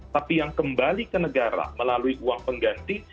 tapi yang kembali ke negara melalui uang pengganti